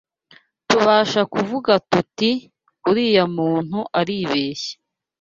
tubasha kuvuga tuti, Uriya muntu aribeshya